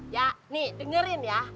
ya nih dengerin ya